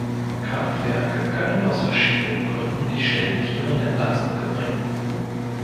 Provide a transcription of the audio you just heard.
Kraftwerke können aus verschiedenen Gründen nicht ständig ihre Nennleistung erbringen.